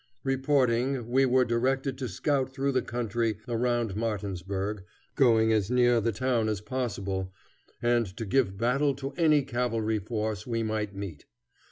Reporting, we were directed to scout through the country around Martinsburg, going as near the town as possible, and to give battle to any cavalry force we might meet.